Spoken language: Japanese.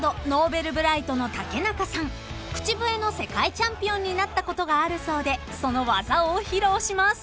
［口笛の世界チャンピオンになったことがあるそうでその技を披露します］